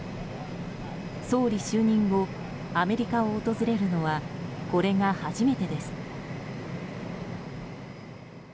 総理就任後アメリカを訪れるのはこれが初めてです。